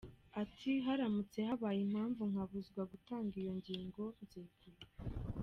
Ati “Haramutse habaye impamvu nkabuzwa gutanga iyo ngingo, nzegura.”